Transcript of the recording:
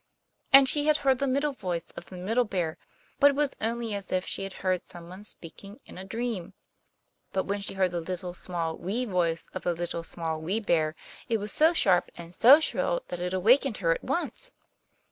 And she had heard the middle voice of the Middle Bear, but it was only as if she had heard someone speaking in a dream. But when she heard the little, small, wee voice of the Little, Small, Wee Bear, it was so sharp, and so shrill, that it awakened her at once.